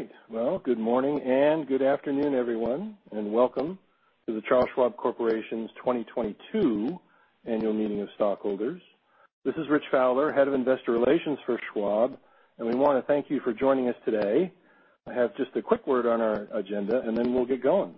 All right. Well, good morning and good afternoon, everyone, and welcome to the Charles Schwab Corporation's 2022 Annual Meeting of Stockholders. This is Rich Fowler, Head of Investor Relations for Schwab, and we wanna thank you for joining us today. I have just a quick word on our agenda, and then we'll get going.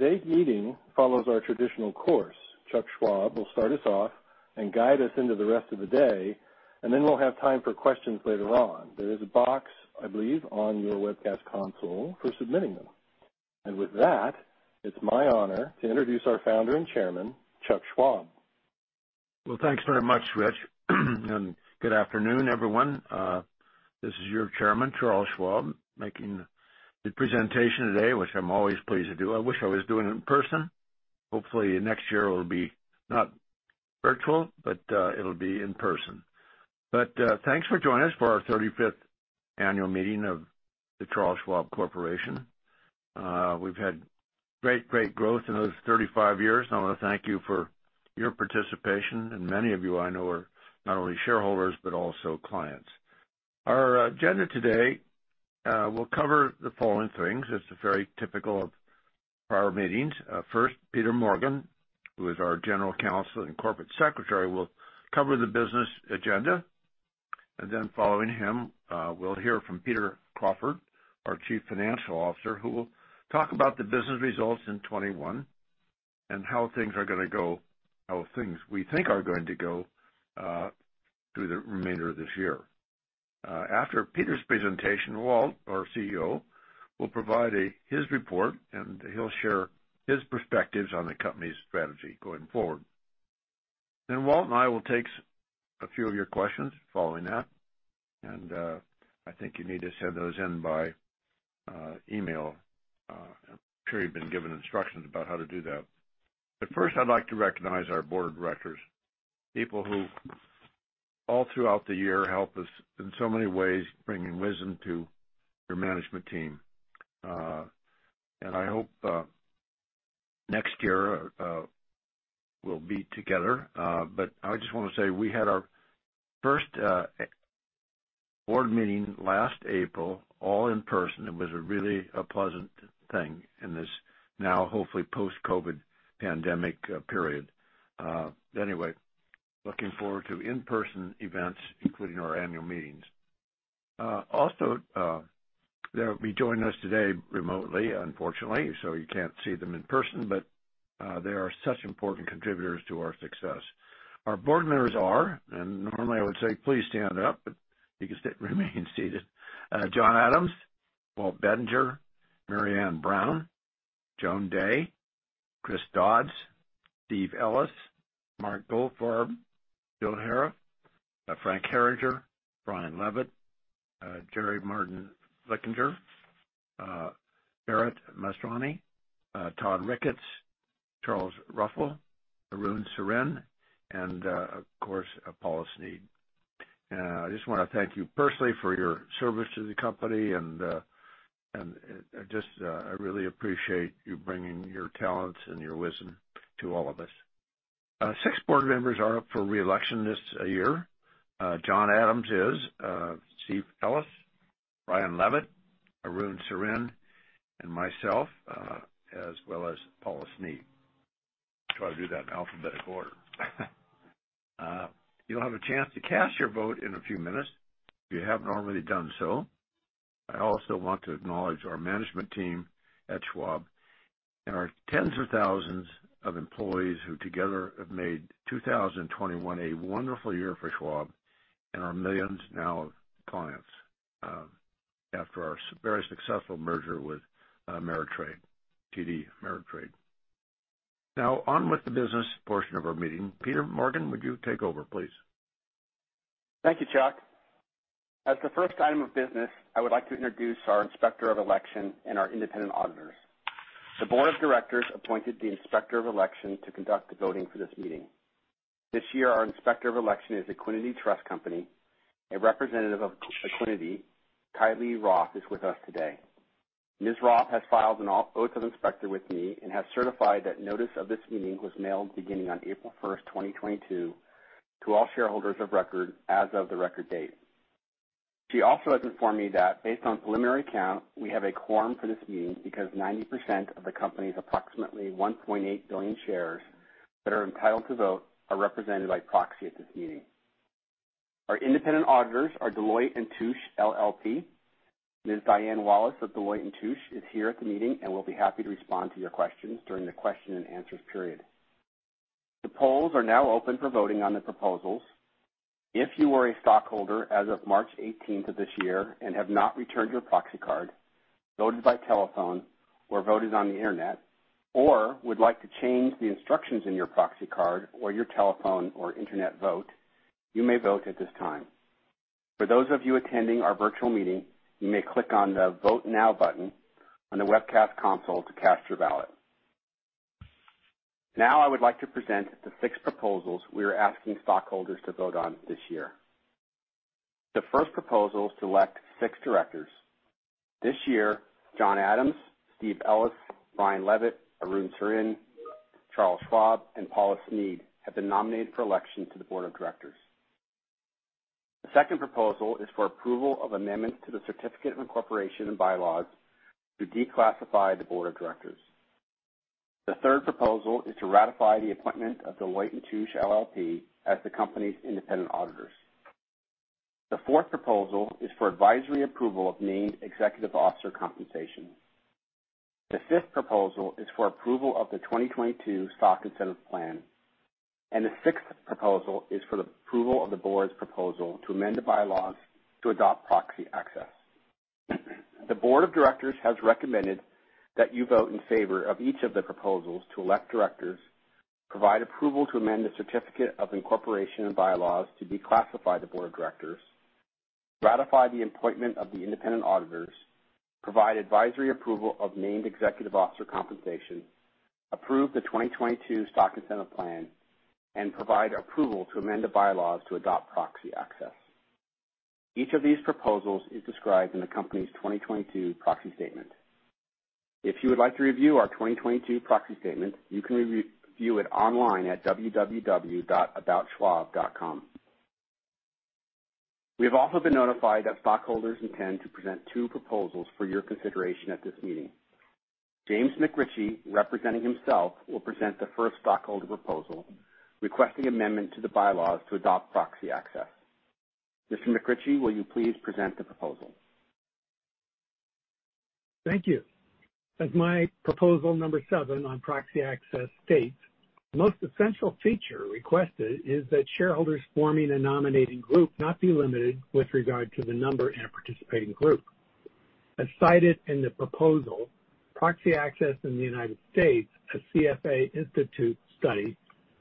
Today's meeting follows our traditional course. Chuck Schwab will start us off and guide us into the rest of the day, and then we'll have time for questions later on. There is a box, I believe, on your webcast console for submitting them. With that, it's my honor to introduce our Founder and Chairman, Chuck Schwab. Well, thanks very much, Rich. Good afternoon, everyone. This is your Chairman, Charles Schwab, making the presentation today, which I'm always pleased to do. I wish I was doing it in person. Hopefully, next year it'll be not virtual, but it'll be in person. Thanks for joining us for our 35th annual meeting of the Charles Schwab Corporation. We've had great growth in those 35 years, and I wanna thank you for your participation. Many of you I know are not only shareholders but also clients. Our agenda today will cover the following things. It's very typical of prior meetings. First, Peter Morgan, who is our General Counsel and Corporate Secretary, will cover the business agenda. Then following him, we'll hear from Peter Crawford, our Chief Financial Officer, who will talk about the business results in 2021 and how things are gonna go, how things we think are going to go, through the remainder of this year. After Peter's presentation, Walt, our CEO, will provide his report, and he'll share his perspectives on the company's strategy going forward. Walt and I will take a few of your questions following that. I think you need to send those in by email. I'm sure you've been given instructions about how to do that. First, I'd like to recognize our board of directors, people who all throughout the year help us in so many ways, bringing wisdom to your management team. I hope we'll be together. I just wanna say, we had our first board meeting last April, all in person. It was really a pleasant thing in this now hopefully post-COVID pandemic period. Anyway, looking forward to in-person events, including our annual meetings. Also, they'll be joining us today remotely, unfortunately, so you can't see them in person, but they are such important contributors to our success. Our board members are, and normally I would say, please stand up, but you can remain seated. John Adams, Walt Bettinger, Marianne Brown, Joan Dea, Chris Dodds, Steve Ellis, Mark Goldfarb, Bill Haraf, Frank Herringer, Brian Levitt, Gerri Martin-Flickinger, Bharat Masrani, Todd Ricketts, Charles Ruffel, Arun Sarin, and, of course, Paula Sneed. I just wanna thank you personally for your service to the company and I really appreciate you bringing your talents and your wisdom to all of us. Six board members are up for reelection this year. John Adams is, Steve Ellis, Brian Levitt, Arun Sarin, and myself, as well as Paula Sneed. Try to do that in alphabetic order. You'll have a chance to cast your vote in a few minutes if you haven't already done so. I also want to acknowledge our management team at Schwab and our tens of thousands of employees who together have made 2021 a wonderful year for Schwab and our millions now of clients, after our very successful merger with TD Ameritrade. Now on with the business portion of our meeting. Peter Morgan, would you take over, please? Thank you, Chuck. As the first item of business, I would like to introduce our Inspector of Election and our independent auditors. The board of directors appointed the Inspector of Election to conduct the voting for this meeting. This year, our Inspector of Election is Equiniti Trust Company. A representative of Equiniti, Kaili Roff, is with us today. Ms. Roff has filed an oath of inspector with me and has certified that notice of this meeting was mailed beginning on April 1st, 2022 to all shareholders of record as of the record date. She also has informed me that based on preliminary count, we have a quorum for this meeting because 90% of the company's approximately 1.8 billion shares that are entitled to vote are represented by proxy at this meeting. Our independent auditors are Deloitte & Touche LLP. Ms. Diane Wallace of Deloitte & Touche is here at the meeting and will be happy to respond to your questions during the question and answers period. The polls are now open for voting on the proposals. If you are a stockholder as of March 18th of this year and have not returned your proxy card, voted by telephone or voted on the internet, or would like to change the instructions in your proxy card or your telephone or internet vote, you may vote at this time. For those of you attending our virtual meeting, you may click on the Vote Now button on the webcast console to cast your ballot. Now I would like to present the six proposals we are asking stockholders to vote on this year. The first proposal is to elect six directors. This year, John Adams, Steve Ellis, Brian Levitt, Arun Sarin, Charles Schwab, and Paula Sneed have been nominated for election to the board of directors. The second proposal is for approval of amendments to the certificate of incorporation and bylaws to declassify the board of directors. The third proposal is to ratify the appointment of Deloitte & Touche LLP as the company's independent auditors. The fourth proposal is for advisory approval of named executive officer compensation. The fifth proposal is for approval of the 2022 stock incentive plan. The sixth proposal is for the approval of the board's proposal to amend the bylaws to adopt proxy access. The board of directors has recommended that you vote in favor of each of the proposals to elect directors, provide approval to amend the certificate of incorporation and bylaws to declassify the board of directors, ratify the appointment of the independent auditors, provide advisory approval of named executive officer compensation, approve the 2022 stock incentive plan, and provide approval to amend the bylaws to adopt proxy access. Each of these proposals is described in the company's 2022 proxy statement. If you would like to review our 2022 proxy statement, you can review it online at www.aboutschwab.com. We have also been notified that stockholders intend to present two proposals for your consideration at this meeting. James McRitchie, representing himself, will present the first stockholder proposal requesting amendment to the bylaws to adopt proxy access. Mr. McRitchie, will you please present the proposal? Thank you. As my proposal number seven on proxy access states, the most essential feature requested is that shareholders forming a nominating group not be limited with regard to the number in a participating group. As cited in the proposal, Proxy Access in the United States, a CFA Institute study,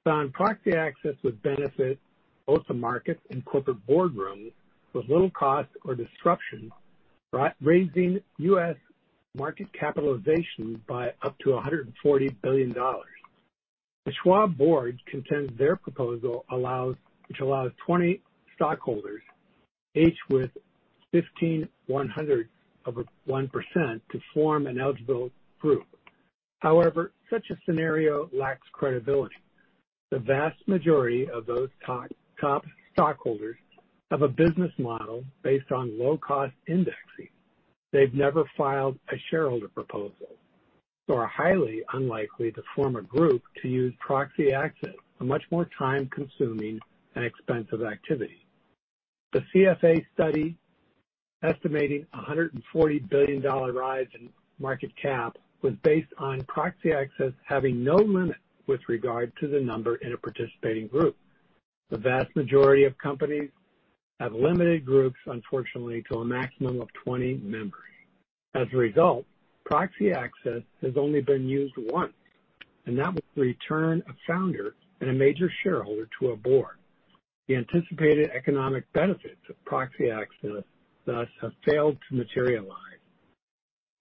found proxy access would benefit both the market and corporate boardrooms with little cost or disruption, raising U.S. market capitalization by up to $140 billion. The Schwab board contends their proposal allows, which allows 20 stockholders, each with 0.15% of a 1%, to form an eligible group. However, such a scenario lacks credibility. The vast majority of those top stockholders have a business model based on low-cost indexing. They've never filed a shareholder proposal and are highly unlikely to form a group to use proxy access, a much more time-consuming and expensive activity. The CFA study estimating a $140 billion rise in market cap was based on proxy access having no limit with regard to the number in a participating group. The vast majority of companies have limited groups, unfortunately, to a maximum of 20 members. As a result, proxy access has only been used once, and that was the return of founder and a major shareholder to a board. The anticipated economic benefits of proxy access, thus, have failed to materialize.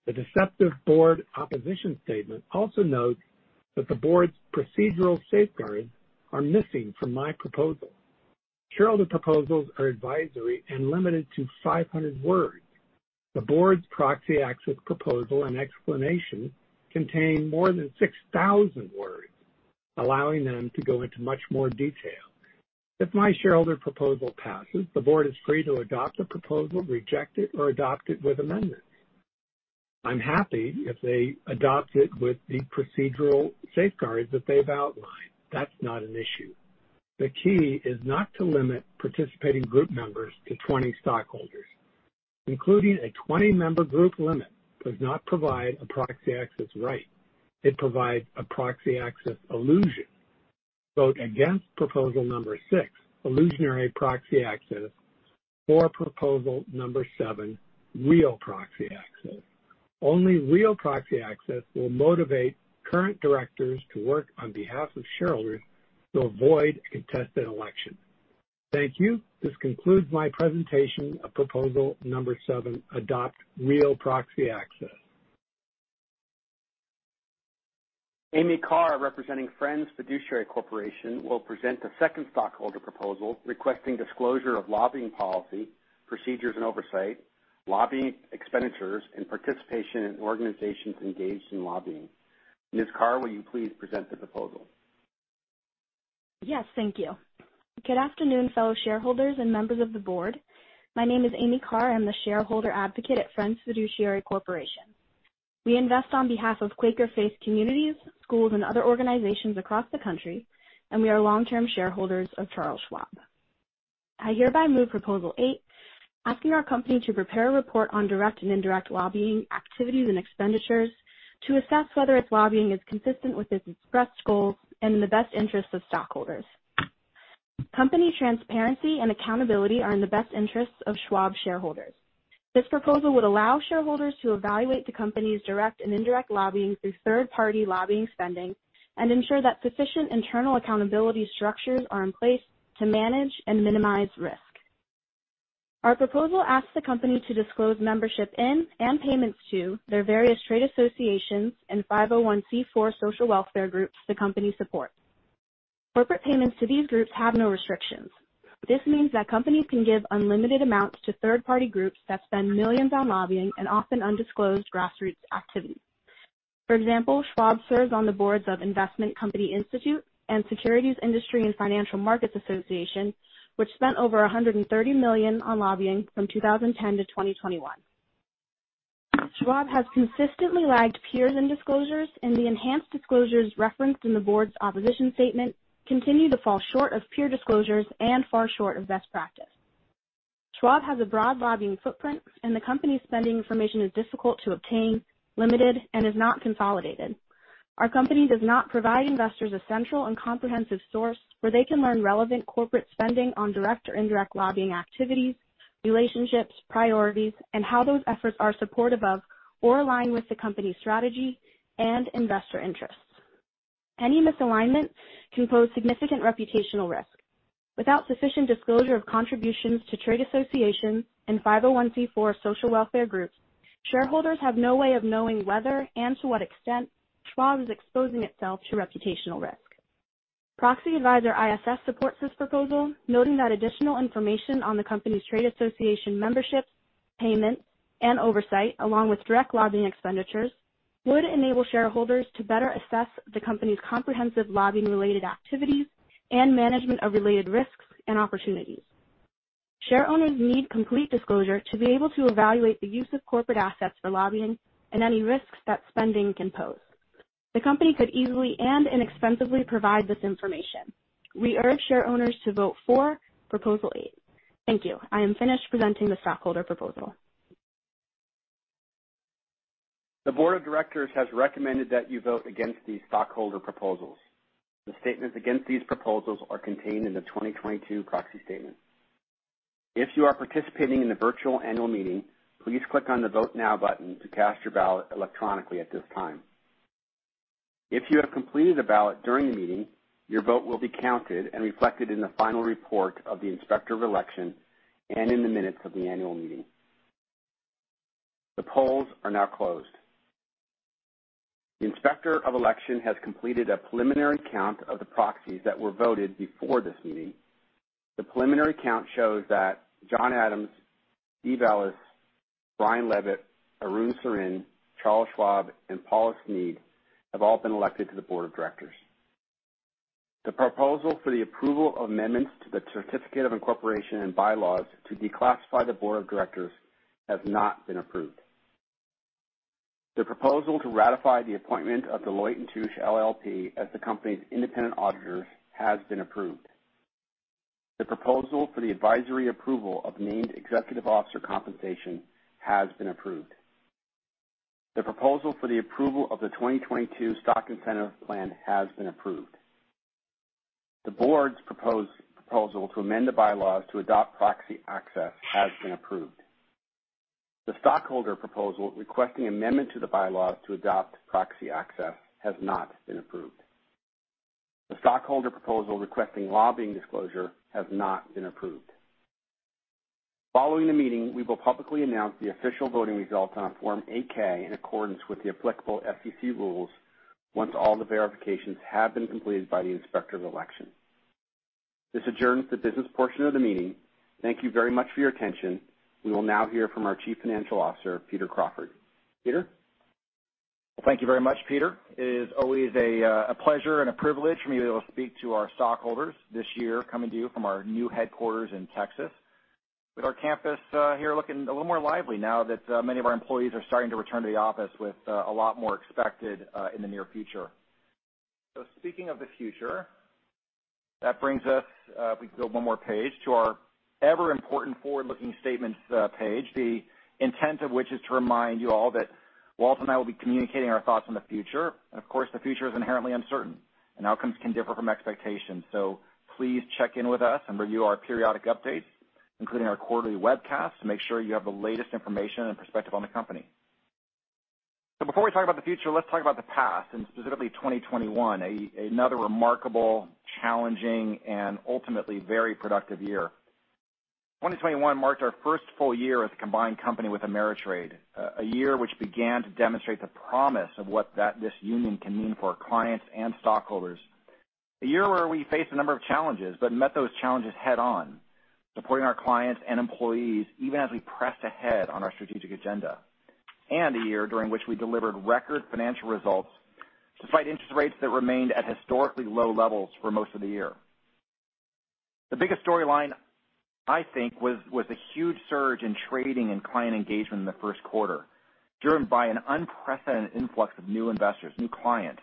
The deceptive board opposition statement also notes that the board's procedural safeguards are missing from my proposal. Shareholder proposals are advisory and limited to 500 words. The board's proxy access proposal and explanation contain more than 6,000 words, allowing them to go into much more detail. If my shareholder proposal passes, the board is free to adopt a proposal, reject it, or adopt it with amendments. I'm happy if they adopt it with the procedural safeguards that they've outlined. That's not an issue. The key is not to limit participating group members to 20 stockholders. Including a 20-member group limit does not provide a proxy access right. It provides a proxy access illusion. Vote against proposal number six, illusionary proxy access, for proposal number seven, real proxy access. Only real proxy access will motivate current directors to work on behalf of shareholders to avoid a contested election. Thank you. This concludes my presentation of proposal number seven: adopt real proxy access. Amy Carr, representing Friends Fiduciary Corporation, will present the second stockholder proposal requesting disclosure of lobbying policy, procedures and oversight, lobbying expenditures, and participation in organizations engaged in lobbying. Ms. Carr, will you please present the proposal? Yes, thank you. Good afternoon, fellow shareholders and members of the board. My name is Amy Carr. I'm the shareholder advocate at Friends Fiduciary Corporation. We invest on behalf of Quaker faith communities, schools, and other organizations across the country, and we are long-term shareholders of Charles Schwab. I hereby move proposal eight, asking our company to prepare a report on direct and indirect lobbying activities and expenditures to assess whether its lobbying is consistent with its expressed goals and in the best interest of stockholders. Company transparency and accountability are in the best interests of Schwab shareholders. This proposal would allow shareholders to evaluate the company's direct and indirect lobbying through third-party lobbying spending and ensure that sufficient internal accountability structures are in place to manage and minimize risk. Our proposal asks the company to disclose membership in and payments to their various trade associations and 501(c)(4) social welfare groups the company supports. Corporate payments to these groups have no restrictions. This means that companies can give unlimited amounts to third-party groups that spend millions on lobbying and often undisclosed grassroots activities. For example, Schwab serves on the boards of Investment Company Institute and Securities Industry and Financial Markets Association, which spent over $130 million on lobbying from 2010-2021. Schwab has consistently lagged peers in disclosures, and the enhanced disclosures referenced in the board's opposition statement continue to fall short of peer disclosures and far short of best practice. Schwab has a broad lobbying footprint, and the company's spending information is difficult to obtain, limited, and is not consolidated. Our company does not provide investors a central and comprehensive source where they can learn relevant corporate spending on direct or indirect lobbying activities, relationships, priorities, and how those efforts are supportive of or align with the company's strategy and investor interests. Any misalignment can pose significant reputational risk. Without sufficient disclosure of contributions to trade associations and 501(c)(4) social welfare groups, shareholders have no way of knowing whether and to what extent Schwab is exposing itself to reputational risk. Proxy advisor ISS supports this proposal, noting that additional information on the company's trade association memberships, payments, and oversight, along with direct lobbying expenditures, would enable shareholders to better assess the company's comprehensive lobbying-related activities and management of related risks and opportunities. Shareowners need complete disclosure to be able to evaluate the use of corporate assets for lobbying and any risks that spending can pose. The company could easily and inexpensively provide this information. We urge shareowners to vote for proposal eight. Thank you. I am finished presenting the stockholder proposal. The board of directors has recommended that you vote against these stockholder proposals. The statements against these proposals are contained in the 2022 proxy statement. If you are participating in the virtual annual meeting, please click on the Vote Now button to cast your ballot electronically at this time. If you have completed a ballot during the meeting, your vote will be counted and reflected in the final report of the Inspector of Election and in the minutes of the annual meeting. The polls are now closed. The Inspector of Election has completed a preliminary count of the proxies that were voted before this meeting. The preliminary count shows that John Adams, Steve Ellis, Brian Levitt, Arun Sarin, Charles Schwab, and Paula Sneed have all been elected to the board of directors. The proposal for the approval of amendments to the Certificate of Incorporation and Bylaws to declassify the board of directors has not been approved. The proposal to ratify the appointment of Deloitte & Touche LLP as the company's independent auditors has been approved. The proposal for the advisory approval of named executive officer compensation has been approved. The proposal for the approval of the 2022 stock incentive plan has been approved. The board's proposed proposal to amend the Bylaws to adopt proxy access has been approved. The stockholder proposal requesting amendment to the Bylaws to adopt proxy access has not been approved. The stockholder proposal requesting lobbying disclosure has not been approved. Following the meeting, we will publicly announce the official voting results on a Form 8-K in accordance with the applicable SEC rules once all the verifications have been completed by the Inspector of Election. This adjourns the business portion of the meeting. Thank you very much for your attention. We will now hear from our Chief Financial Officer, Peter Crawford. Peter? Well, thank you very much, Peter. It is always a pleasure and a privilege for me to be able to speak to our stockholders this year, coming to you from our new headquarters in Texas, with our campus here looking a little more lively now that many of our employees are starting to return to the office, with a lot more expected in the near future. Speaking of the future, that brings us, if we could go one more page, to our ever-important forward-looking statements, page, the intent of which is to remind you all that while Walt and I will be communicating our thoughts on the future, and of course, the future is inherently uncertain and outcomes can differ from expectations. Please check in with us and review our periodic updates, including our quarterly webcast, to make sure you have the latest information and perspective on the company. Before we talk about the future, let's talk about the past, and specifically 2021, another remarkable, challenging, and ultimately very productive year. 2021 marked our first full year as a combined company with Ameritrade, a year which began to demonstrate the promise of what that, this union can mean for our clients and stockholders. A year where we faced a number of challenges but met those challenges head-on, supporting our clients and employees even as we pressed ahead on our strategic agenda. A year during which we delivered record financial results despite interest rates that remained at historically low levels for most of the year. The biggest storyline, I think, was a huge surge in trading and client engagement in the first quarter, driven by an unprecedented influx of new investors, new clients,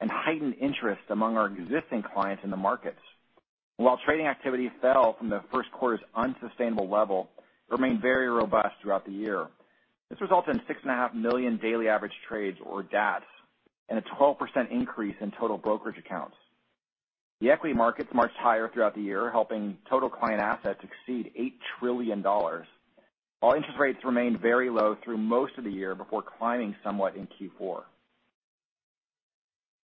and heightened interest among our existing clients in the markets. While trading activity fell from the first quarter's unsustainable level, it remained very robust throughout the year. This resulted in 6.5 million daily average trades, or DATS, and a 12% increase in total brokerage accounts. The equity markets marched higher throughout the year, helping total client assets exceed $8 trillion, while interest rates remained very low through most of the year before climbing somewhat in Q4.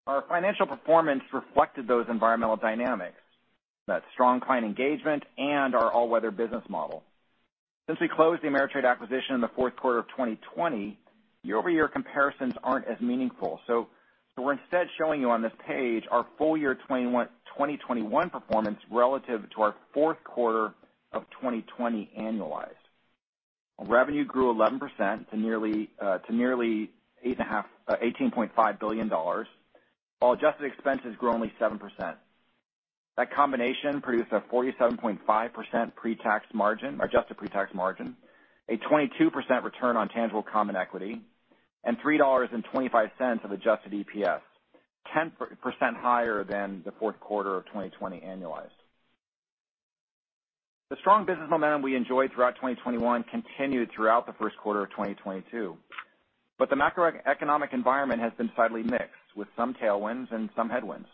Our financial performance reflected those environmental dynamics, that strong client engagement and our all-weather business model. Since we closed the TD Ameritrade acquisition in the fourth quarter of 2020, year-over-year comparisons aren't as meaningful. We're instead showing you on this page our full year 2021 performance relative to our fourth quarter of 2020 annualized. Our revenue grew 11% to nearly $18.5 billion, while adjusted expenses grew only 7%. That combination produced a 47.5% pretax margin, or adjusted pretax margin, a 22% return on tangible common equity, and $3.25 of adjusted EPS, 10% higher than the fourth quarter of 2020 annualized. The strong business momentum we enjoyed throughout 2021 continued throughout the first quarter of 2022, but the macroeconomic environment has been slightly mixed, with some tailwinds and some headwinds.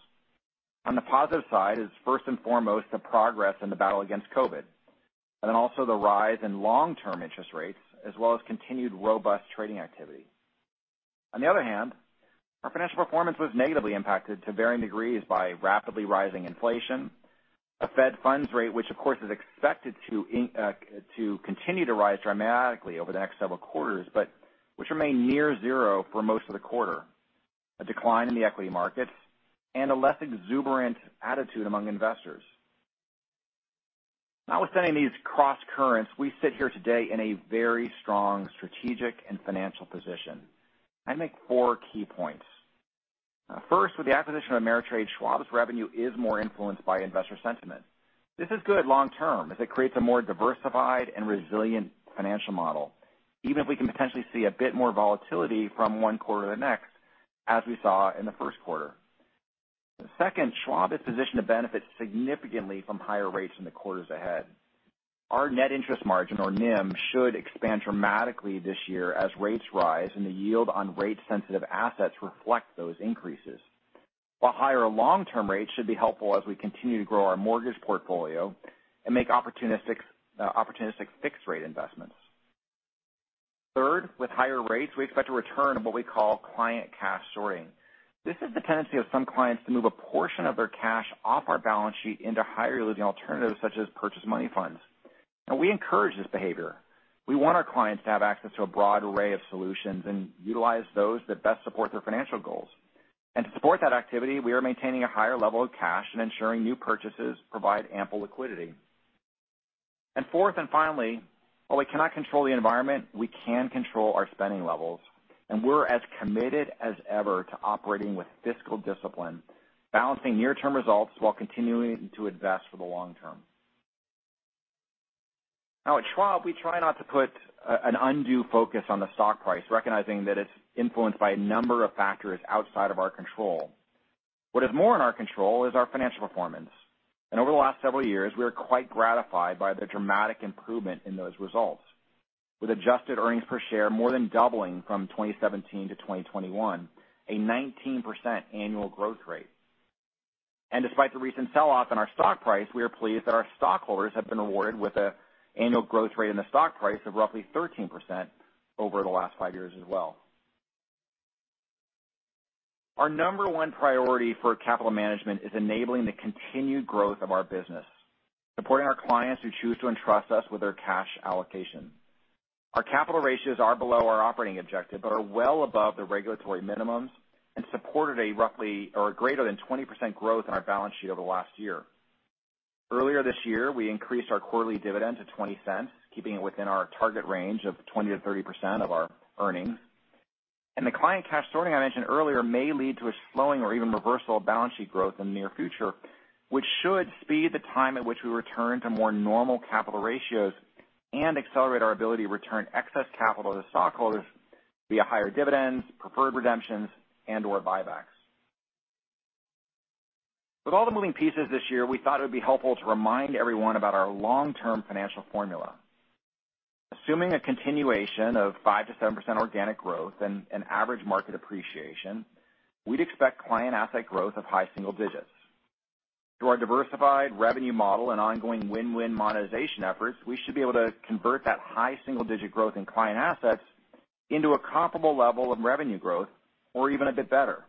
On the positive side is first and foremost the progress in the battle against COVID, and then also the rise in long-term interest rates, as well as continued robust trading activity. On the other hand, our financial performance was negatively impacted to varying degrees by rapidly rising inflation, a federal funds rate, which of course is expected to continue to rise dramatically over the next several quarters, but which remained near zero for most of the quarter, a decline in the equity markets, and a less exuberant attitude among investors. Notwithstanding these crosscurrents, we sit here today in a very strong strategic and financial position. I make four key points. First, with the acquisition of Ameritrade, Schwab's revenue is more influenced by investor sentiment. This is good long term, as it creates a more diversified and resilient financial model, even if we can potentially see a bit more volatility from one quarter to the next, as we saw in the first quarter. Second, Schwab is positioned to benefit significantly from higher rates in the quarters ahead. Our net interest margin, or NIM, should expand dramatically this year as rates rise and the yield on rate-sensitive assets reflect those increases, while higher long-term rates should be helpful as we continue to grow our mortgage portfolio and make opportunistic fixed rate investments. Third, with higher rates, we expect a return of what we call client cash sorting. This is the tendency of some clients to move a portion of their cash off our balance sheet into higher-yielding alternatives, such as money market funds. Now we encourage this behavior. We want our clients to have access to a broad array of solutions and utilize those that best support their financial goals. To support that activity, we are maintaining a higher level of cash and ensuring new purchases provide ample liquidity. Fourth and finally, while we cannot control the environment, we can control our spending levels, and we're as committed as ever to operating with fiscal discipline, balancing near-term results while continuing to invest for the long term. Now at Schwab, we try not to put, an undue focus on the stock price, recognizing that it's influenced by a number of factors outside of our control. What is more in our control is our financial performance. Over the last several years, we are quite gratified by the dramatic improvement in those results. With adjusted earnings per share more than doubling from 2017-2021, a 19% annual growth rate. Despite the recent sell-off in our stock price, we are pleased that our stockholders have been rewarded with an annual growth rate in the stock price of roughly 13% over the last five years as well. Our number one priority for capital management is enabling the continued growth of our business, supporting our clients who choose to entrust us with their cash allocation. Our capital ratios are below our operating objective, but are well above the regulatory minimums and supported roughly or greater than 20% growth in our balance sheet over the last year. Earlier this year, we increased our quarterly dividend to $0.20, keeping it within our target range of 20%-30% of our earnings. The client cash sorting I mentioned earlier may lead to a slowing or even reversal of balance sheet growth in the near future, which should speed the time at which we return to more normal capital ratios and accelerate our ability to return excess capital to stockholders via higher dividends, preferred redemptions, and/or buybacks. With all the moving pieces this year, we thought it would be helpful to remind everyone about our long-term financial formula. Assuming a continuation of 5%-7% organic growth and an average market appreciation, we'd expect client asset growth of high single digits. Through our diversified revenue model and ongoing win-win monetization efforts, we should be able to convert that high single digit growth in client assets into a comparable level of revenue growth or even a bit better.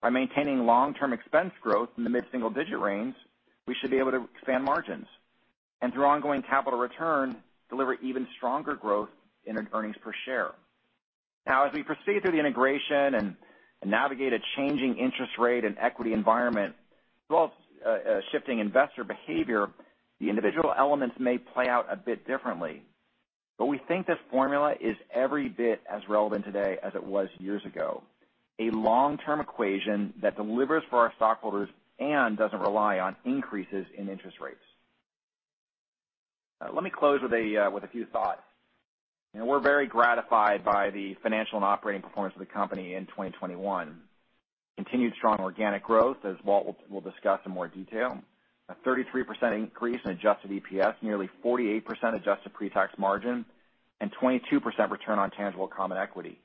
By maintaining long-term expense growth in the mid-single digit range, we should be able to expand margins and, through ongoing capital return, deliver even stronger growth in earnings per share. Now as we proceed through the integration and navigate a changing interest rate and equity environment, as well as shifting investor behavior, the individual elements may play out a bit differently. We think this formula is every bit as relevant today as it was years ago, a long-term equation that delivers for our stockholders and doesn't rely on increases in interest rates. Let me close with a few thoughts. You know, we're very gratified by the financial and operating performance of the company in 2021. Continued strong organic growth, as Walt will discuss in more detail, a 33% increase in adjusted EPS, nearly 48% adjusted pretax margin, and 22% return on tangible common equity.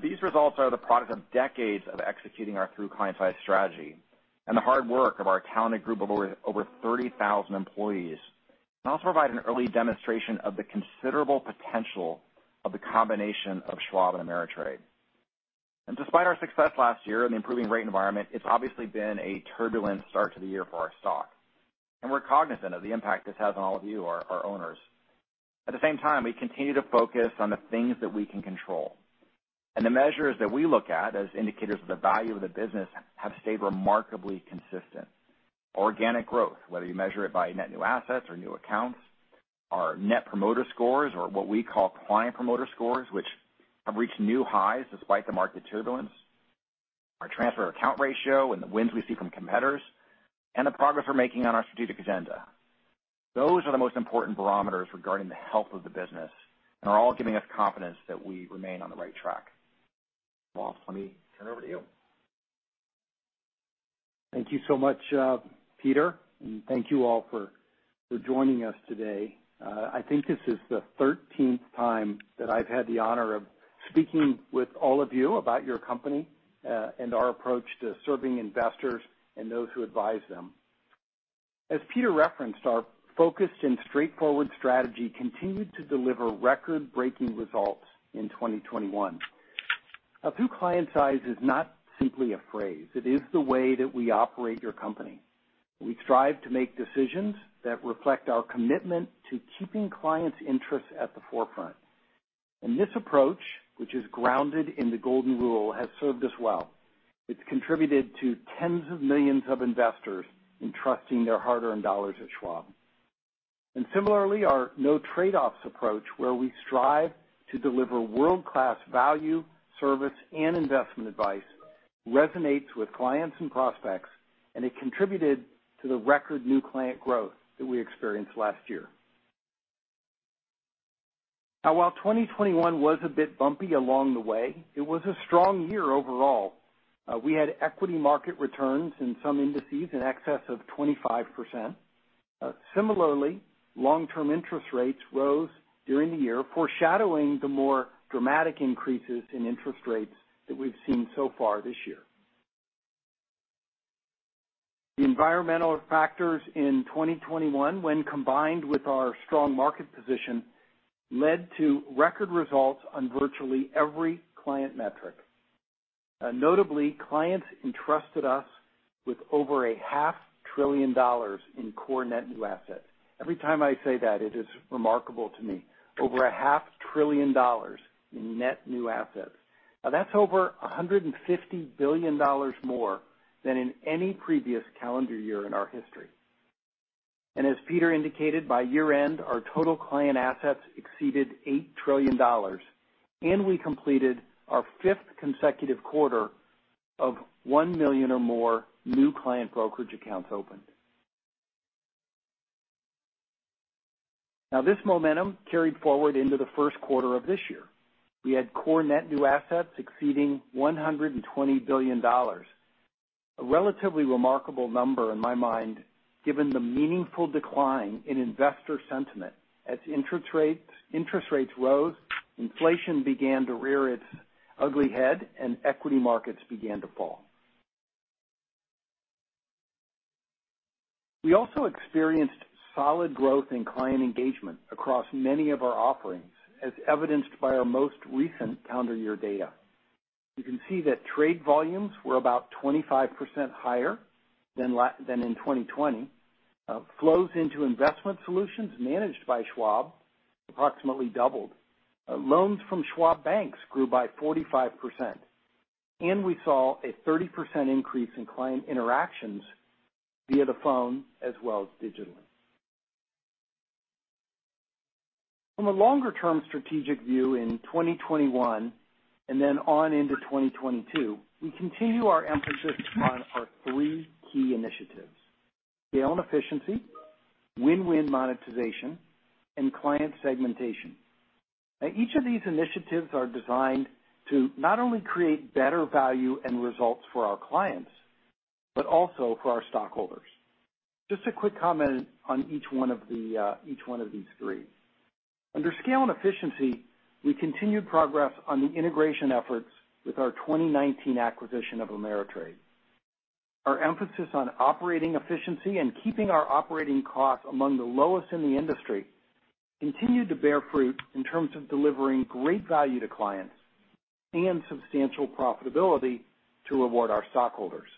These results are the product of decades of executing our Through Clients' Eyes strategy and the hard work of our talented group of over 30,000 employees, and also provide an early demonstration of the considerable potential of the combination of Schwab and TD Ameritrade. Despite our success last year and the improving rate environment, it's obviously been a turbulent start to the year for our stock. We're cognizant of the impact this has on all of you, our owners. At the same time, we continue to focus on the things that we can control. The measures that we look at as indicators of the value of the business have stayed remarkably consistent. Organic growth, whether you measure it by net new assets or new accounts, our Net Promoter Scores or what we call Client Promoter Scores, which have reached new highs despite the market turbulence, our transfer account ratio, and the wins we see from competitors, and the progress we're making on our strategic agenda. Those are the most important barometers regarding the health of the business and are all giving us confidence that we remain on the right track. Walt, let me turn it over to you. Thank you so much, Peter, and thank you all for joining us today. I think this is the 13th time that I've had the honor of speaking with all of you about your company, and our approach to serving investors and those who advise them. As Peter referenced, our focused and straightforward strategy continued to deliver record-breaking results in 2021. Now, Through Clients' Eyes is not simply a phrase. It is the way that we operate your company. We strive to make decisions that reflect our commitment to keeping clients' interests at the forefront. This approach, which is grounded in the golden rule, has served us well. It's contributed to tens of millions of investors entrusting their hard-earned dollars at Schwab. Similarly, our no trade-offs approach, where we strive to deliver world-class value, service, and investment advice resonates with clients and prospects, and it contributed to the record new client growth that we experienced last year. Now, while 2021 was a bit bumpy along the way, it was a strong year overall. We had equity market returns in some indices in excess of 25%. Similarly, long-term interest rates rose during the year, foreshadowing the more dramatic increases in interest rates that we've seen so far this year. The environmental factors in 2021, when combined with our strong market position, led to record results on virtually every client metric. Notably, clients entrusted us with over a $500,000,000,000 in core net new assets. Every time I say that, it is remarkable to me. Over a $500,000,000,000 in net new assets. Now, that's over $150 billion more than in any previous calendar year in our history. As Peter indicated, by year-end, our total client assets exceeded $8 trillion, and we completed our fifth consecutive quarter of 1 million or more new client brokerage accounts opened. Now this momentum carried forward into the first quarter of this year. We had core net new assets exceeding $120 billion. A relatively remarkable number in my mind, given the meaningful decline in investor sentiment. As interest rates rose, inflation began to rear its ugly head and equity markets began to fall. We also experienced solid growth in client engagement across many of our offerings, as evidenced by our most recent calendar year data. You can see that trade volumes were about 25% higher than in 2020. Flows into investment solutions managed by Schwab approximately doubled. Loans from Schwab Bank grew by 45%, and we saw a 30% increase in client interactions via the phone as well as digitally. From a longer-term strategic view in 2021 and then on into 2022, we continue our emphasis on our three key initiatives, Scale and Efficiency, Win-Win Monetization, and Client Segmentation. Now each of these initiatives are designed to not only create better value and results for our clients, but also for our stockholders. Just a quick comment on each one of these three. Under Scale and Efficiency, we continued progress on the integration efforts with our 2019 acquisition of Ameritrade. Our emphasis on operating efficiency and keeping our operating costs among the lowest in the industry continued to bear fruit in terms of delivering great value to clients and substantial profitability to reward our stockholders.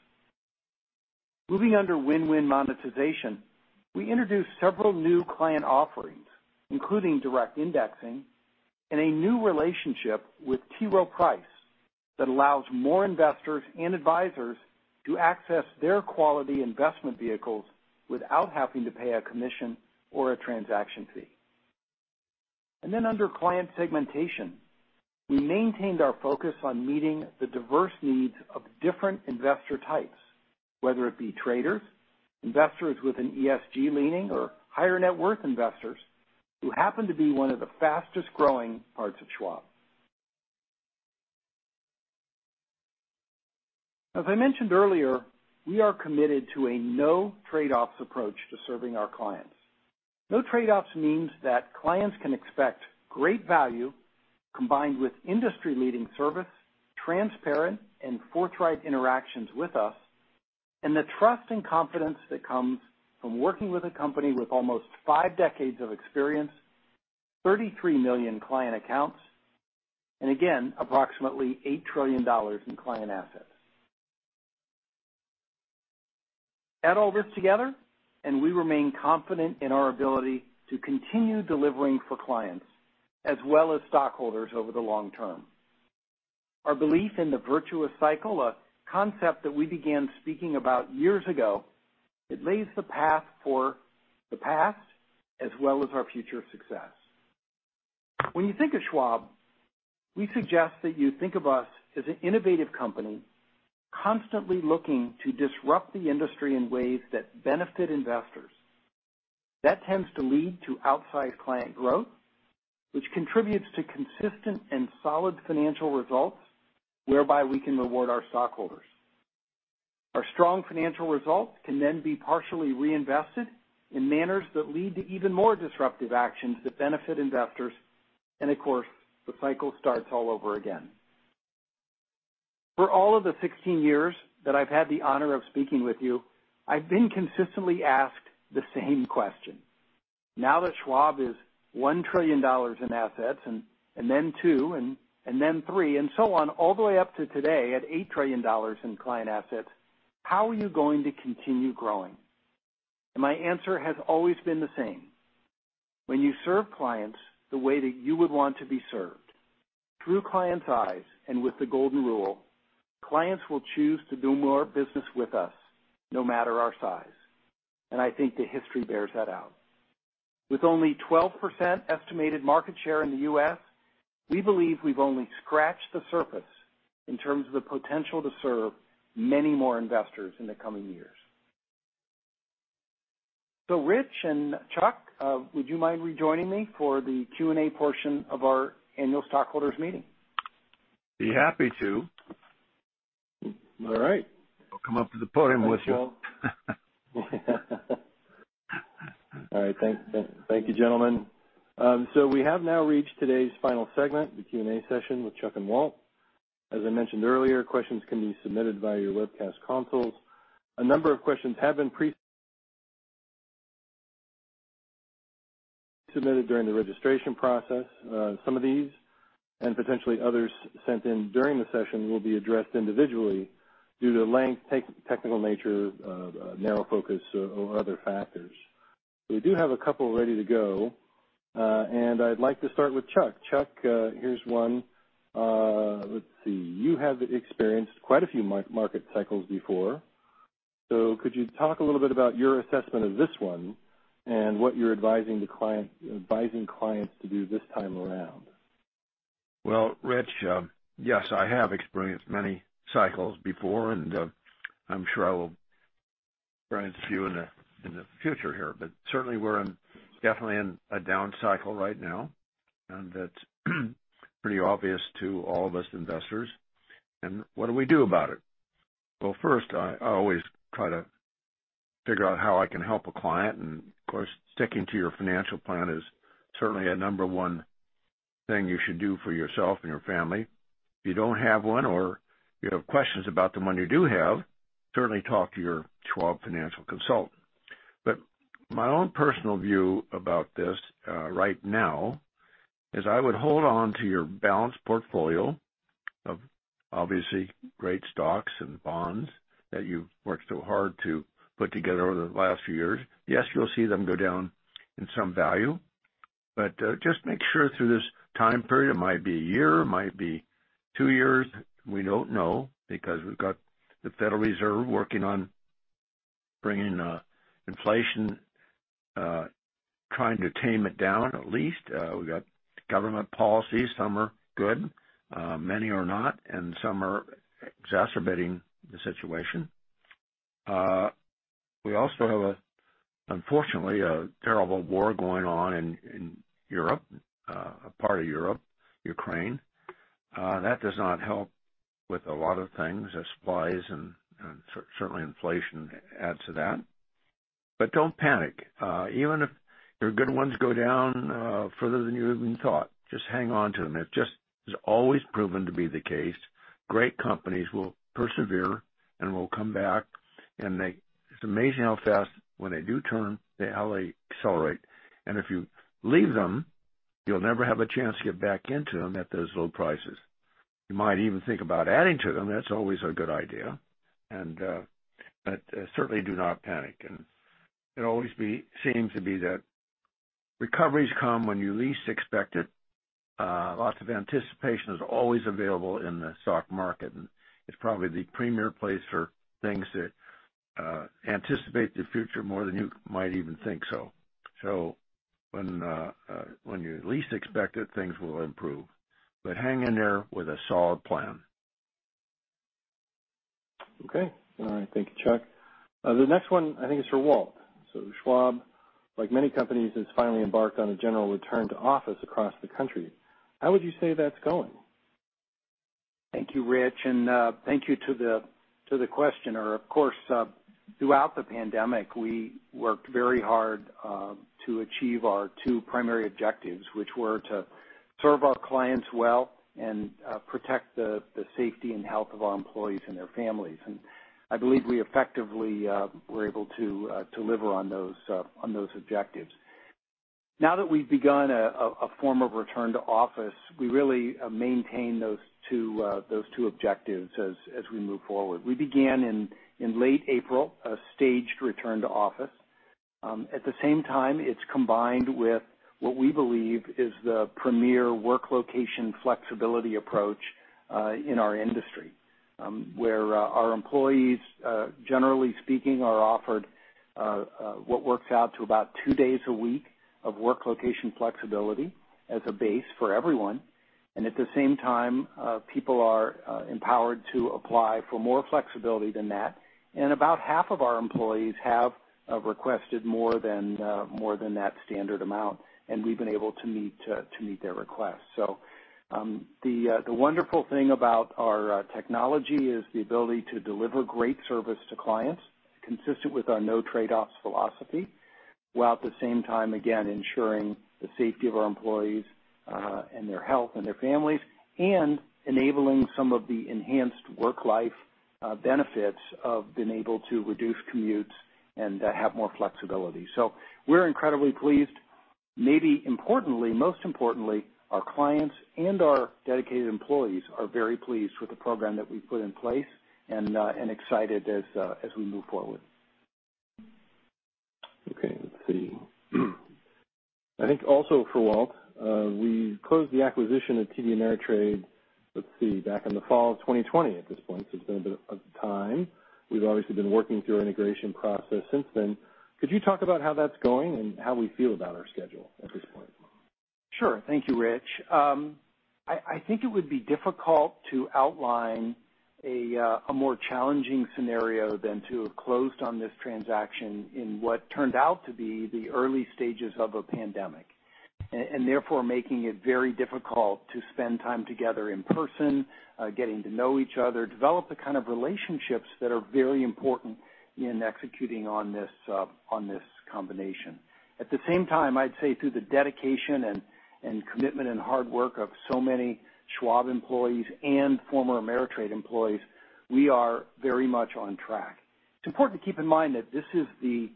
Moving under Win-Win Monetization, we introduced several new client offerings, including Direct Indexing and a new relationship with T. Rowe Price that allows more investors and advisors to access their quality investment vehicles without having to pay a commission or a transaction fee. Under Client Segmentation, we maintained our focus on meeting the diverse needs of different investor types, whether it be traders, investors with an ESG leaning, or higher net worth investors who happen to be one of the fastest-growing parts of Schwab. As I mentioned earlier, we are committed to a no trade-offs approach to serving our clients. No trade-offs means that clients can expect great value combined with industry-leading service, transparent and forthright interactions with us, and the trust and confidence that comes from working with a company with almost five decades of experience. 33 million client accounts, and again, approximately $8 trillion in client assets. Add all this together, and we remain confident in our ability to continue delivering for clients as well as stockholders over the long term. Our belief in the Virtuous Cycle, a concept that we began speaking about years ago, it lays the path for the past as well as our future success. When you think of Schwab, we suggest that you think of us as an innovative company, constantly looking to disrupt the industry in ways that benefit investors. That tends to lead to outsized client growth, which contributes to consistent and solid financial results, whereby we can reward our stockholders. Our strong financial results can then be partially reinvested in manners that lead to even more disruptive actions that benefit investors. Of course, the cycle starts all over again. For all of the 16 years that I've had the honor of speaking with you, I've been consistently asked the same question. Now that Schwab is $1 trillion in assets and then two and then three, and so on, all the way up to today at $8 trillion in client assets, how are you going to continue growing? My answer has always been the same. When you serve clients the way that you would want to be served, Through Clients' Eyes and with the golden rule, clients will choose to do more business with us, no matter our size. I think the history bears that out. With only 12% estimated market share in the U.S., we believe we've only scratched the surface in terms of the potential to serve many more investors in the coming years. Rich and Chuck, would you mind rejoining me for the Q&A portion of our annual stockholders meeting? Be happy to. All right. I'll come up to the podium with you. All right. Thank you, gentlemen. We have now reached today's final segment, the Q&A session with Chuck and Walt. As I mentioned earlier, questions can be submitted via your webcast consoles. A number of questions have been pre-submitted during the registration process. Some of these, and potentially others sent in during the session, will be addressed individually due to length, technical nature, narrow focus or other factors. We do have a couple ready to go, and I'd like to start with Chuck. Chuck, here's one. Let's see. You have experienced quite a few market cycles before. Could you talk a little bit about your assessment of this one and what you're advising clients to do this time around? Well, Rich, yes, I have experienced many cycles before, and I'm sure I will experience a few in the future here, but certainly we're definitely in a down cycle right now, and that's pretty obvious to all of us investors. What do we do about it? Well, first, I always try to figure out how I can help a client. Of course, sticking to your financial plan is certainly a number one thing you should do for yourself and your family. If you don't have one or you have questions about the one you do have, certainly talk to your Schwab financial consultant. But my own personal view about this right now is I would hold on to your balanced portfolio of obviously great stocks and bonds that you've worked so hard to put together over the last few years. Yes, you'll see them go down in some value, but just make sure through this time period, it might be a year, it might be two years. We don't know because we've got the Federal Reserve working on bringing inflation, trying to tame it down, at least. We've got government policies. Some are good, many are not, and some are exacerbating the situation. We also have, unfortunately, a terrible war going on in Europe, a part of Europe, Ukraine. That does not help with a lot of things as supplies and certainly inflation add to that. Don't panic. Even if your good ones go down further than you even thought, just hang on to them. It just has always proven to be the case. Great companies will persevere and will come back. It's amazing how fast, when they do turn, how they accelerate. If you leave them, you'll never have a chance to get back into them at those low prices. You might even think about adding to them. That's always a good idea. Certainly do not panic. It always seems to be that recoveries come when you least expect it. Lots of anticipation is always available in the stock market, and it's probably the premier place for things that anticipate the future more than you might even think so. When you least expect it, things will improve. Hang in there with a solid plan. Okay. All right. Thank you, Chuck. The next one, I think it's for Walt. Schwab, like many companies, has finally embarked on a general return to office across the country. How would you say that's going? Thank you, Rich, and thank you to the questioner. Of course, throughout the pandemic, we worked very hard to achieve our two primary objectives, which were to serve our clients well and protect the safety and health of our employees and their families. I believe we effectively were able to deliver on those objectives. Now that we've begun a form of return to office, we really maintain those two objectives as we move forward. We began in late April a staged return to office. At the same time, it's combined with what we believe is the premier work location flexibility approach in our industry, where our employees, generally speaking, are offered what works out to about two days a week of work location flexibility as a base for everyone. At the same time, people are empowered to apply for more flexibility than that. About half of our employees have requested more than that standard amount, and we've been able to meet their request. The wonderful thing about our technology is the ability to deliver great service to clients consistent with our no trade-offs philosophy, while at the same time, again, ensuring the safety of our employees and their health and their families, and enabling some of the enhanced work-life benefits of being able to reduce commutes and have more flexibility. We're incredibly pleased. Maybe importantly, most importantly, our clients and our dedicated employees are very pleased with the program that we've put in place and excited as we move forward. Okay, let's see. I think also for Walt, we closed the acquisition of TD Ameritrade, let's see, back in the fall of 2020 at this point, so it's been a bit of time. We've obviously been working through our integration process since then. Could you talk about how that's going and how we feel about our schedule at this point? Sure. Thank you, Rich. I think it would be difficult to outline a more challenging scenario than to have closed on this transaction in what turned out to be the early stages of a pandemic, and therefore making it very difficult to spend time together in person, getting to know each other, develop the kind of relationships that are very important in executing on this, on this combination. At the same time, I'd say through the dedication and commitment and hard work of so many Schwab employees and former Ameritrade employees, we are very much on track. It's important to keep in mind that this is the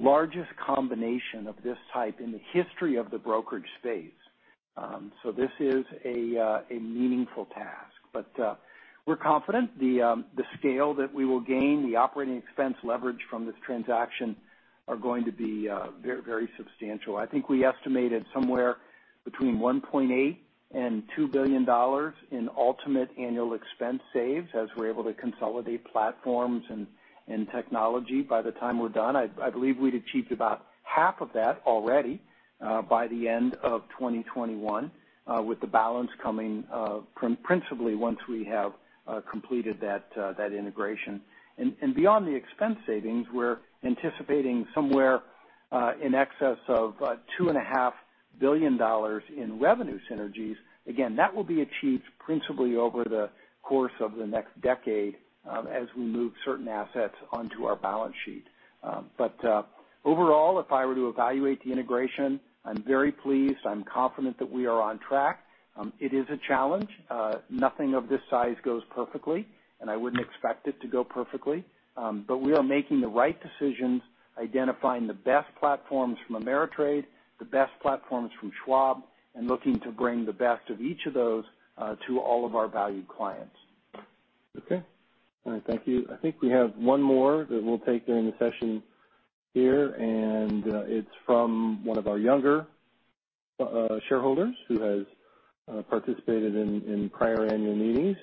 largest combination of this type in the history of the brokerage space. This is a meaningful task. We're confident the scale that we will gain, the operating expense leverage from this transaction are going to be very substantial. I think we estimated somewhere between $1.8 billion and $2 billion in ultimate annual expense savings as we're able to consolidate platforms and technology by the time we're done. I believe we'd achieved about half of that already by the end of 2021 with the balance coming from principally once we have completed that integration. Beyond the expense savings, we're anticipating somewhere in excess of $2.5 billion in revenue synergies. Again, that will be achieved principally over the course of the next decade as we move certain assets onto our balance sheet. Overall, if I were to evaluate the integration, I'm very pleased. I'm confident that we are on track. It is a challenge. Nothing of this size goes perfectly, and I wouldn't expect it to go perfectly. We are making the right decisions, identifying the best platforms from Ameritrade, the best platforms from Schwab, and looking to bring the best of each of those to all of our valued clients. Okay. All right. Thank you. I think we have one more that we'll take during the session here, and it's from one of our younger shareholders who has participated in prior annual meetings.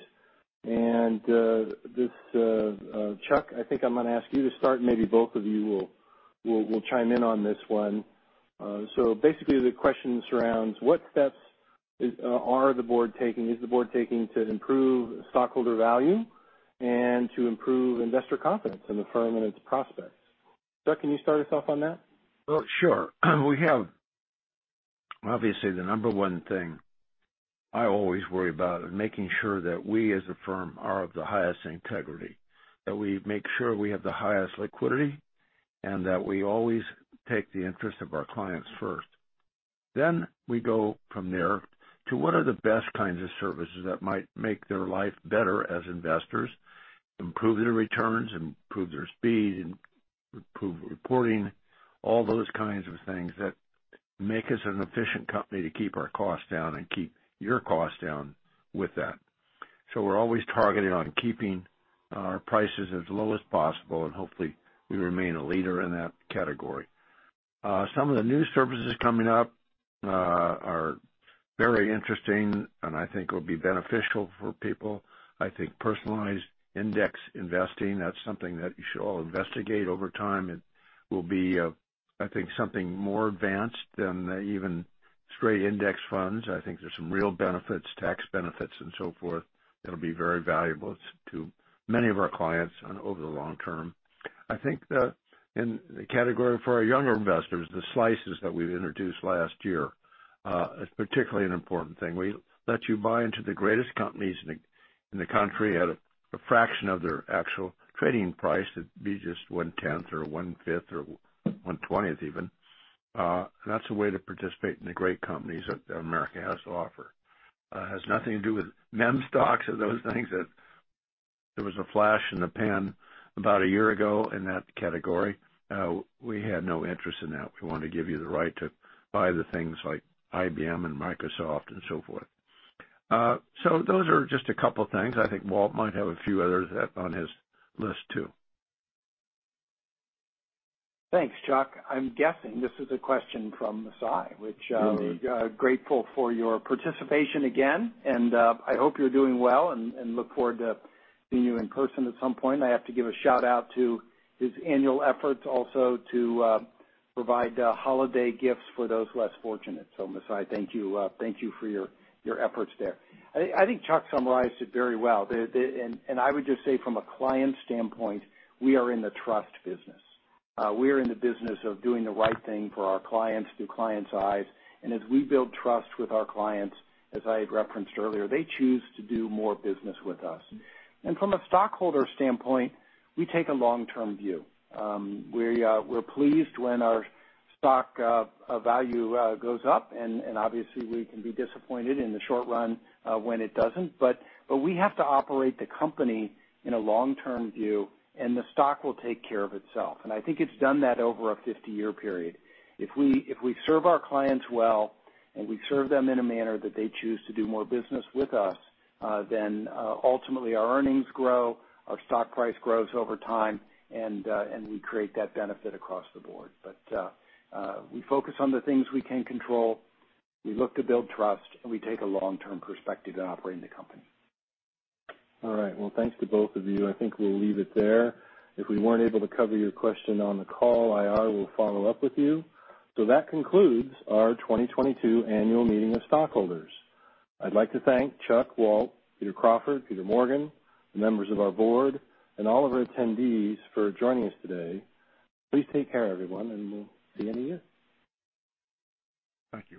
Chuck, I think I'm gonna ask you to start, and maybe both of you will chime in on this one. Basically the question surrounds what steps are the board taking to improve stockholder value and to improve investor confidence in the firm and its prospects? Chuck, can you start us off on that? Well, sure. We have, obviously, the number one thing I always worry about is making sure that we as a firm are of the highest integrity, that we make sure we have the highest liquidity, and that we always take the interest of our clients first. We go from there to what are the best kinds of services that might make their life better as investors, improve their returns, improve their speed, improve reporting, all those kinds of things that make us an efficient company to keep our costs down and keep your costs down with that. We're always targeting on keeping our prices as low as possible, and hopefully we remain a leader in that category. Some of the new services coming up are very interesting, and I think will be beneficial for people. I think personalized index investing, that's something that you should all investigate over time. It will be, I think something more advanced than even straight index funds. I think there's some real benefits, tax benefits and so forth, that'll be very valuable to many of our clients over the long term. I think, in the category for our younger investors, the slices that we've introduced last year is particularly an important thing. We let you buy into the greatest companies in the country at a fraction of their actual trading price. It'd be just 1/10 or 1/5 or 1/20 even. And that's a way to participate in the great companies that America has to offer. Has nothing to do with meme stocks or those things that there was a flash in the pan about a year ago in that category. We had no interest in that. We wanna give you the right to buy the things like IBM and Microsoft and so forth. Those are just a couple things. I think Walt might have a few others on his list too. Thanks, Chuck. I'm guessing this is a question from Mesai, which. Indeed. We are grateful for your participation again, and I hope you're doing well and look forward to seeing you in person at some point. I have to give a shout-out to his annual efforts also to provide holiday gifts for those less fortunate. So Mesai, thank you for your efforts there. I think Chuck summarized it very well. I would just say from a client standpoint, we are in the trust business. We are in the business of doing the right thing for our clients Through Clients' Eyes. As we build trust with our clients, as I had referenced earlier, they choose to do more business with us. From a stockholder standpoint, we take a long-term view. We're pleased when our stock value goes up, and obviously we can be disappointed in the short run when it doesn't. We have to operate the company in a long-term view, and the stock will take care of itself. I think it's done that over a 50-year period. If we serve our clients well, and we serve them in a manner that they choose to do more business with us, then ultimately our earnings grow, our stock price grows over time, and we create that benefit across the board. We focus on the things we can control, we look to build trust, and we take a long-term perspective in operating the company. All right. Well, thanks to both of you. I think we'll leave it there. If we weren't able to cover your question on the call, IR will follow up with you. That concludes our 2022 Annual Meeting of Stockholders. I'd like to thank Chuck, Walt, Peter Crawford, Peter Morgan, the members of our board, and all of our attendees for joining us today. Please take care, everyone, and we'll see you next year. Thank you.